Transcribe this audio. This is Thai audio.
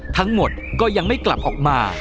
ทั้งหมดก็ยังไม่กลับออกมา